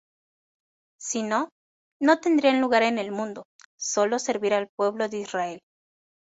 Si no, no tendrían lugar en el mundo, sólo servir al pueblo de Israel.